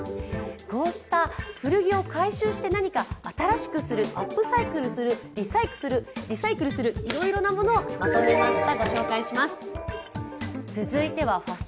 こうした古着を回収して新しくする、アップサイクルする、リサイクルするいろいろなものをまとめました。